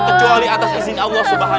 kecuali atas izin allah swt